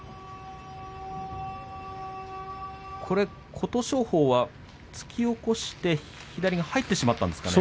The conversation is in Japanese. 琴勝峰は突き起こして左が入ってしまったんですかね。